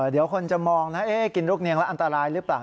เดี๋ยวคนจะมองนะกินลูกเนียงแล้วอันตรายหรือเปล่า